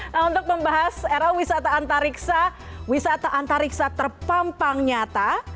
nah untuk membahas era wisata antariksa wisata antariksa terpampang nyata